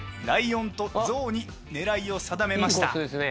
ライオンとゾウに狙いを定めました。